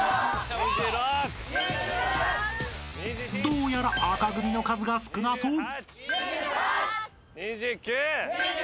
［どうやら紅組の数が少なそう］